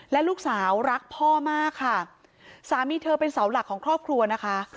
และลูกสาวรักพ่อมากค่ะสามีเธอเป็นเสาหลักของครอบครัวนะคะ